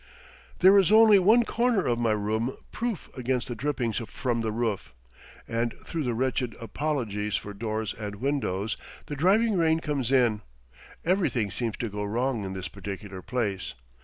There is only one corner of my room proof against the drippings from the roof, and through the wretched apologies for doors and windows the driving rain comes in. Everything seems to go wrong in this particular place.